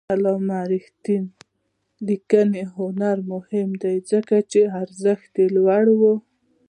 د علامه رشاد لیکنی هنر مهم دی ځکه چې ارزښت لوړوي.